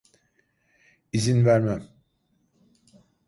İzin vermem.